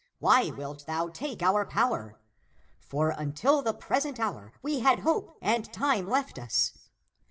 ^ Why wilt thou take our power ? For until the present hour we had hope and time left us.